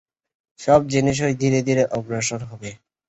সব জিনিষই ধীরে ধীরে অগ্রসর হবে।